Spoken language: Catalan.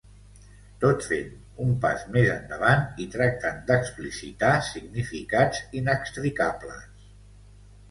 tot fent un pas més endavant i tractant d'explicitar significats inextricables